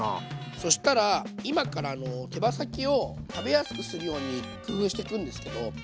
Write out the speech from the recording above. そしたら今から手羽先を食べやすくするように工夫していくんですけど。